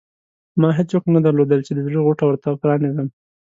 ما هېڅوک نه درلودل چې د زړه غوټه ورته پرانېزم.